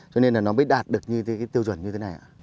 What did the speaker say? cho nên là nó mới đạt được như cái tiêu chuẩn như thế này ạ